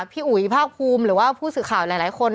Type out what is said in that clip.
พี่อุ๋ยภาคภูมิหรือว่าผู้สื่อข่าวหลายคน